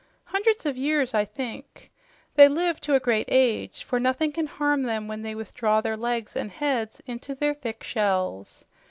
"Hundreds of years, I think. They live to a great age, for nothing can harm them when they withdraw their legs and heads into their thick shells.